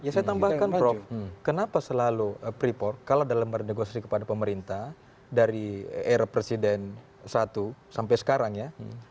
ya saya tambahkan prof kenapa selalu freeport kalah dalam bernegosiasi kepada pemerintah dari era presiden satu sampai sekarang ya